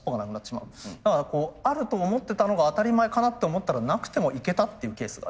だからこうあると思ってたのが当たり前かなって思ったらなくてもいけたっていうケースがある。